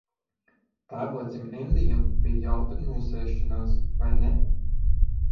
Tēvocim Endijam bija jautra nosēšanās, vai ne?